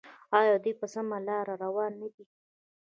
آیا دوی په سمه لار روان نه دي؟